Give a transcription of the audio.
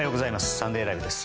「サンデーＬＩＶＥ！！」です。